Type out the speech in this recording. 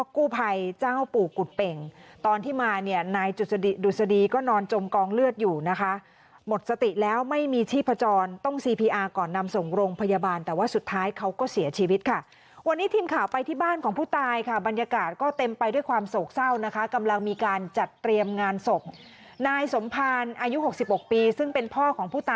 กู้ภัยเจ้าปู่กุฎเป่งตอนที่มาเนี่ยนายจุษฎิดุษฎีก็นอนจมกองเลือดอยู่นะคะหมดสติแล้วไม่มีชีพจรต้องซีพีอาร์ก่อนนำส่งโรงพยาบาลแต่ว่าสุดท้ายเขาก็เสียชีวิตค่ะวันนี้ทีมข่าวไปที่บ้านของผู้ตายค่ะบรรยากาศก็เต็มไปด้วยความโศกเศร้านะคะกำลังมีการจัดเตรียมงานศพนายสมภารอายุ๖๖ปีซึ่งเป็นพ่อของผู้ต